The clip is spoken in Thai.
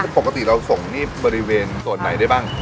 ปกติเราส่งนี่บริเวณส่วนไหนได้บ้าง